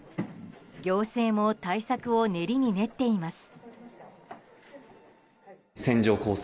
行政も対策を練りに練っています。